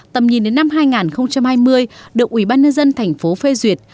tầm nhìn đến năm hai nghìn hai mươi được ủy ban nhân dân thành phố phê duyệt